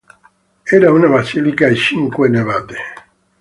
Era una basilica a cinque navate.